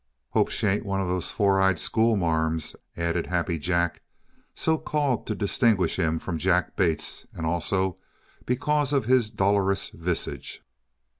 "Hope she ain't one of them four eyed school ma'ams," added Happy Jack so called to distinguish him from Jack Bates, and also because of his dolorous visage.